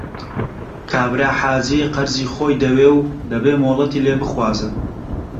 کابرا حاجی قەرزی خۆی دەوێ و دەبێ مۆڵەتی لێ بخوازن